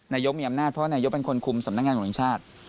นายกมีอำนาจเพราะว่านายกเป็นคนคุมสำนักงานของชาติ